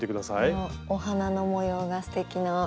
このお花の模様がすてきな。